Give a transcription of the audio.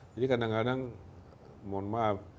jadi kadang kadang mohon maaf